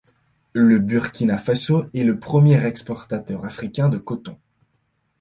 Le Burkina Faso est le premier exportateur africain de coton.